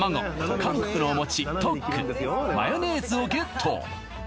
韓国のお餅トックマヨネーズをゲット